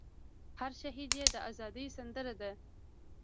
هر شهید ئې د ازادۍ سندره ده